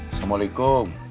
ibu aku mau ikut sekarang